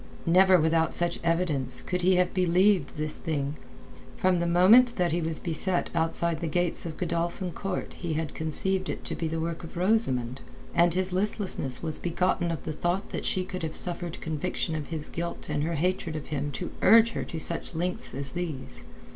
Never without such evidence could he have believed this thing. From the moment that he was beset outside the gates of Godolphin Court he had conceived it to be the work of Rosamund, and his listlessness was begotten of the thought that she could have suffered conviction of his guilt and her hatred of him to urge her to such lengths as these.